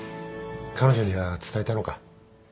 彼女には伝えたのか？